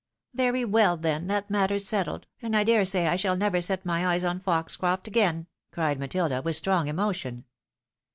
"Very well, then, that matter's settled, and I dare say I shall never set my eyes on Foxcroft again!" cried Matilda, with strong emotion.